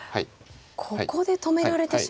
ここで止められてしまうんですか。